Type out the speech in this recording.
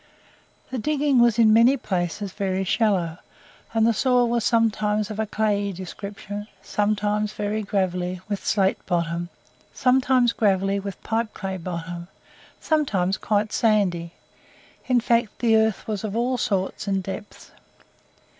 The digging was in many places very shallow, and the soil was sometimes of a clayey description, sometimes very gravelly with slate bottom, sometimes gravelly with pipeclay bottom, sometimes quite sandy; in fact, the earth was of all sorts and depths.